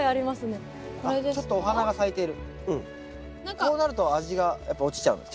こうなると味がやっぱ落ちちゃうんですか？